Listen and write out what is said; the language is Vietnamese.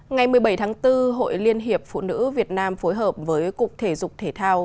ngày một mươi bảy tháng bốn hội liên hiệp phụ nữ việt nam phối hợp với cục thể dục thể thao